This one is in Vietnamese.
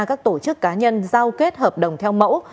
các tổ chức cá nhân giao kết hợp đồng theo mẫu